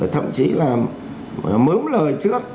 thậm chí là mớm lời trước